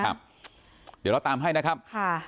เดี๋ยวเราตามให้นะครับ